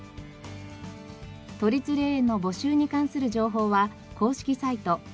都立霊園の募集に関する情報は公式サイト